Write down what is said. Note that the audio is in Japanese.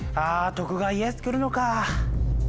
徳川家康くるのか。